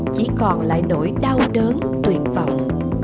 chỉ còn lại nỗi đau đớn tuyệt vọng